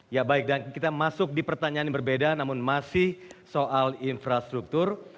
ya baik dan kita masuk di pertanyaan yang berbeda namun masih soal infrastruktur